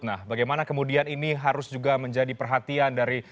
nah bagaimana kemudian ini harus juga menjadi perhatian dari